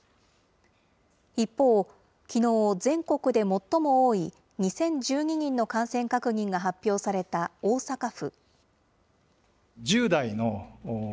一方、きのう全国で最も多い２０１２人の感染確認が発表された大阪府。